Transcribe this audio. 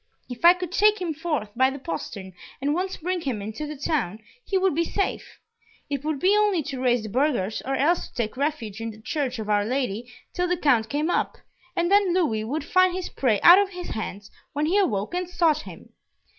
If I could take him forth by the postern, and once bring him into the town, he would be safe. It would be only to raise the burghers, or else to take refuge in the Church of Our Lady till the Count came up, and then Louis would find his prey out of his hands when he awoke and sought him."